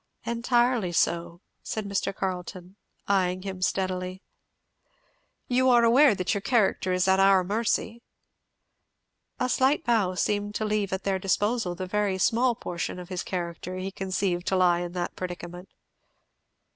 "Entirely so," said Mr. Carleton, eying him steadily. "You are aware that your character is at our mercy?" A slight bow seemed to leave at their disposal the very small portion of his character he conceived to lie in that predicament.